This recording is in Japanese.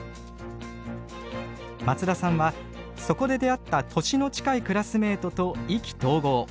松田さんはそこで出会った年の近いクラスメートと意気投合。